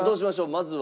まずは。